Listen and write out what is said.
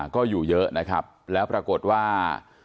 ก็อยู่เยอะนะครับแล้วปรากฏว่า